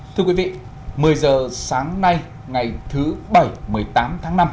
thưa quý vị một mươi giờ sáng nay ngày thứ bảy một mươi tám tháng năm